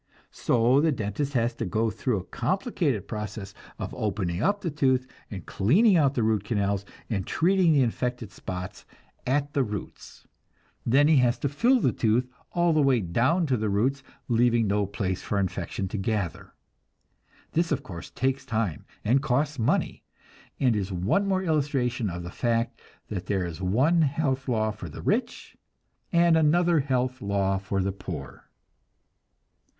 So the dentist has to go through a complicated process of opening up the tooth and cleaning out the root canals, and treating the infected spots at the roots. Then he has to fill the tooth all the way down to the roots, leaving no place for infection to gather. This, of course, takes time and costs money, and is one more illustration of the fact that there is one health law for the rich and another health law for the poor.